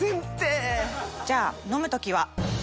じゃあ飲む時は？